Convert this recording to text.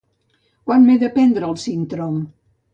Quan m'he de prendre el Sintrom?